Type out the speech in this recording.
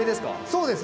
そうです。